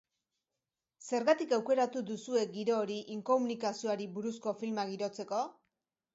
Zergatik aukeratu duzue giro hori inkomunikazioari buruzko filma girotzeko?